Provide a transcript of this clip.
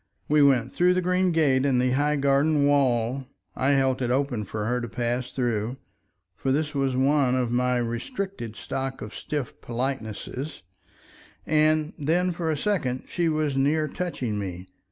We went through the green gate in the high garden wall. I held it open for her to pass through, for this was one of my restricted stock of stiff politenesses, and then for a second she was near touching me.